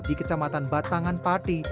di kecamatan batangan pati